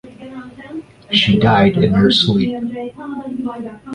She died in her sleep.